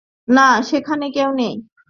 না, সেখানে কেউ নেই।